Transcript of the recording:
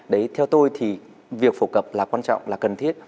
đấy theo tôi thì việc phổ cập là quan trọng là cần thiết